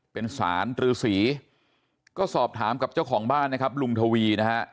เป็นสารรือสีก็สอบถามกับเจ้าของบ้านนะครับลุงทวีนะฮะ